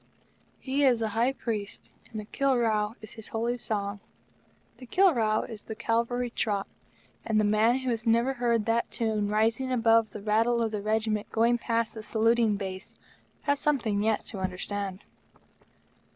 He is a High Priest and the "Keel Row" is his holy song. The "Keel Row" is the Cavalry Trot; and the man who has never heard that tune rising, high and shrill, above the rattle of the Regiment going past the saluting base, has something yet to hear and understand.